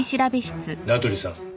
名取さん